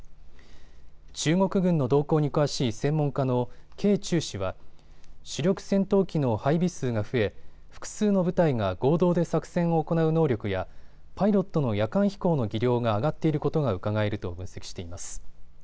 中国軍の動向に詳しい専門家の掲仲氏は主力戦闘機の配備数が増え複数の部隊が合同で作戦を行う能力やパイロットの夜間飛行の技量が上がっていることがうかがえると分析しています。